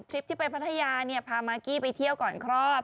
ทริปที่ไปพัทยาพามากกี้ไปเที่ยวก่อนคลอด